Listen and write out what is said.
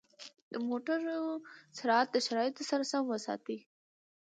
د موټرو سرعت د شرایطو سره سم وساتئ.